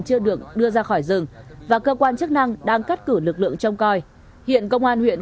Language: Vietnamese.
chưa được đưa ra khỏi rừng và cơ quan chức năng đang cắt cử lực lượng trông coi hiện công an huyện